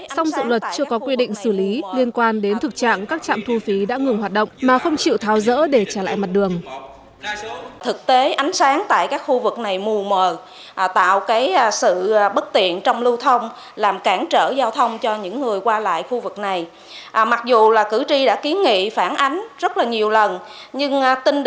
song dự luật chưa có quy định xử lý liên quan đến thực trạng các trạm thu phí đã ngừng hoạt động mà không chịu tháo rỡ để trả lại mặt đường